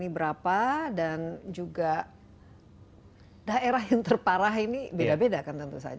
ini berapa dan juga daerah yang terparah ini beda beda kan tentu saja